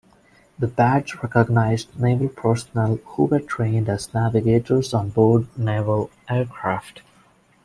The badge recognized naval personnel who were trained as navigators on board naval aircraft.